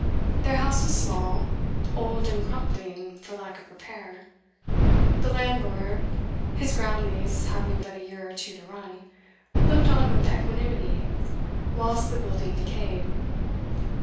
Their house was small, old and crumbling for lack of repair; the landlord, his ground lease having but a year or two to run, looked on with equanimity whilst the building decayed.